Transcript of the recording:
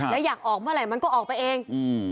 แล้วอยากออกเมื่อไหร่มันก็ออกไปเอง